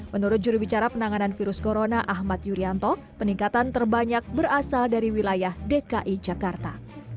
menurut jurubicara penanganan virus corona ahmad yuryanto peningkatan terbanyak berasal dari wilayah dki jakarta